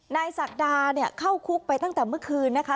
นายสักดาเข้าคุกไปตั้งแต่เมื่อคืนนะคะ